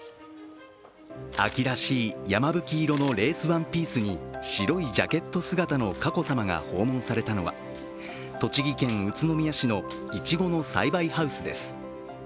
秋らしい山吹色のレースワンピースに白いジャケット姿の佳子さまが訪問されたのは栃木県宇都宮市のいちごの栽培ハウスです。